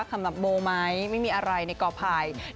สำหรับโบไหมไม่มีอะไรในกอภัย